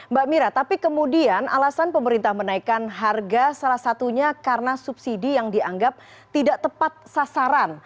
mbak mira tapi kemudian alasan pemerintah menaikkan harga salah satunya karena subsidi yang dianggap tidak tepat sasaran